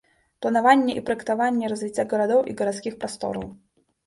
Планаванне і праектаванне развіцця гарадоў і гарадскіх прастораў.